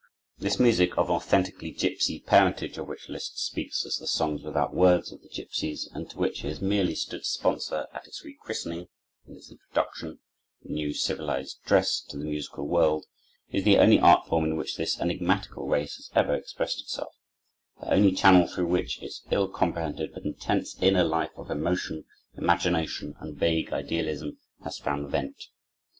This music, of an authentically gipsy parentage, of which Liszt speaks as "the songs without words" of the gipsies, and to which he has merely stood sponsor at its rechristening and its introduction, in new civilized dress, to the musical world, is the only art form in which this enigmatical race has ever expressed itself—the only channel through which its ill comprehended but intense inner life of emotion, imagination, and vague idealism has found vent.